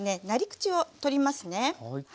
なり口を取りますね。